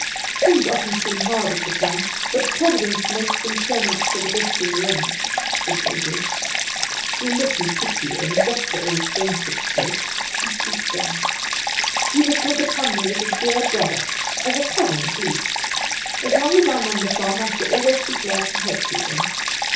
"Things often seem hard at the time, but Providence makes them turn out for the best in the end," said Gregory. "You'll let me kiss you, Em, just for old friendship's sake." He stooped down. "You must look upon me as a dear brother, as a cousin at least; as long as I am on the farm I shall always be glad to help you, Em."